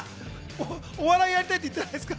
お笑いやりたいってないですか？